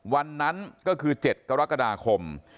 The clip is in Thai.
วันนั้นก็คือ๗กรกฎาคม